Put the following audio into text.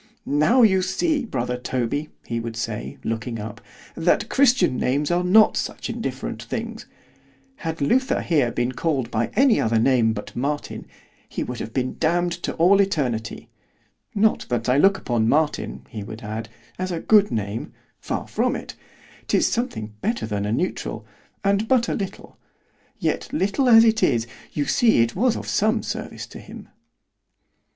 —Now you see, brother Toby, he would say, looking up, "that christian names are not such indifferent things;"——had Luther here been called by any other name but Martin, he would have been damn'd to all eternity——Not that I look upon Martin, he would add, as a good name——far from it——'tis something better than a neutral, and but a little——yet little as it is you see it was of some service to him.